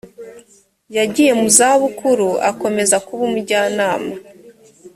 yagiye muzabukuru akomeza kuba umujyanama